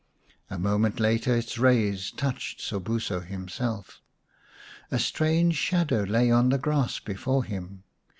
A moment later its rays touched Sobuso himself. A strange shadow lay on the grass before him.